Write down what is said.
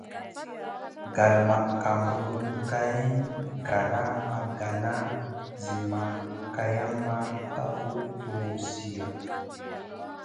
Gal ma kamerun géyn gara ma gana Zi ma kayamma tap guʼ tuwziya.